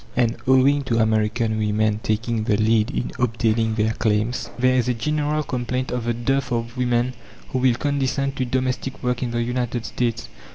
And, owing to American women taking the lead in obtaining their claims, there is a general complaint of the dearth of women who will condescend to domestic work in the United States.